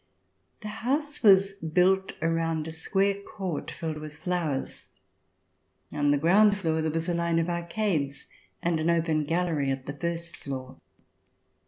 The house was built around a square court filled with flowers. On the ground floor there was a line of arcades and an open gallery at the first floor.